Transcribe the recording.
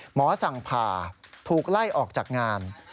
หมอสั่งผ่าถูกไล่ออกจากงาน